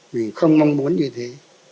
mình không mong muốn như thế